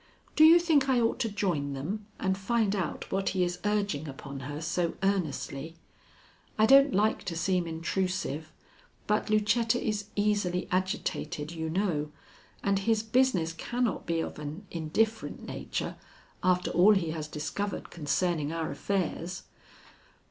Do you think I ought to join them and find out what he is urging upon her so earnestly? I don't like to seem intrusive, but Lucetta is easily agitated, you know, and his business cannot be of an indifferent nature after all he has discovered concerning our affairs."